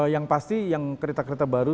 yang pasti yang kereta kereta baru